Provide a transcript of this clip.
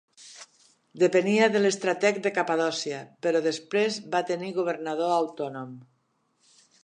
Depenia de l'estrateg de Capadòcia però després va tenir governador autònom.